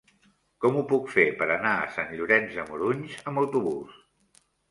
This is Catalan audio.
Com ho puc fer per anar a Sant Llorenç de Morunys amb autobús?